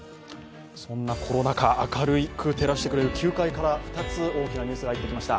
コロナ禍を明るく照らしてくれる、球界から２つニュースが入ってきました。